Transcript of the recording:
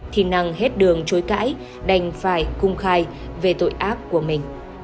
thì năng hết đường chối cãi đành phải công khai về tội ác của mình